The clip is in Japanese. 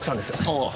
ああ。